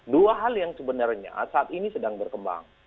dua hal yang sebenarnya saat ini sedang berkembang